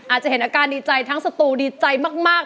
อาจจะเห็นอาการดีใจทั้งสตูดีใจมาก